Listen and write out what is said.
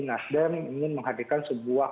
nasden ingin menghadirkan sebuah